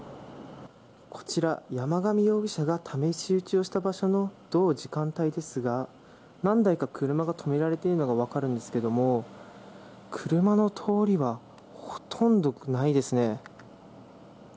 こちら、山上容疑者が試し撃ちをした場所の同時間帯ですが、何台か車が止められているのが分かるんですけれども車の通りはほとんどないですね。